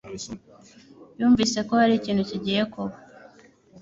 yumvise ko hari ikintu kigiye kuba.